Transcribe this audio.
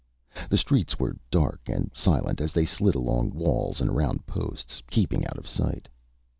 The streets were dark and silent as they slid along walls and around posts, keeping out of sight.